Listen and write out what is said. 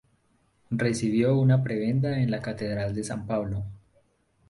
Recibió una prebenda en la catedral de San Pablo.